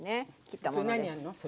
切ったものです。